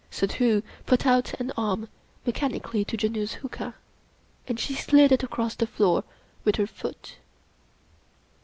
Suddhoo put out an arm mechanically to Janoo's huqa, and she sUd it across the floor with her foot.